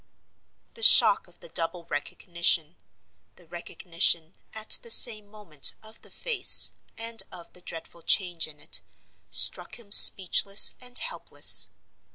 The shock of the double recognition—the recognition, at the same moment, of the face, and of the dreadful change in it—struck him speechless and helpless.